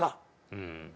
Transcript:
うん。